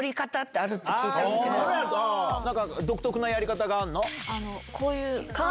独特のやり方があるの？